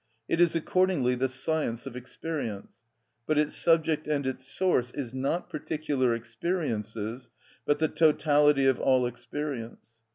It is accordingly the science of experience; but its subject and its source is not particular experiences, but the totality of all experience.